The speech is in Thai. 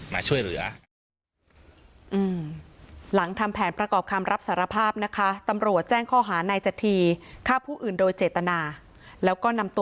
มาช่วยเหลือ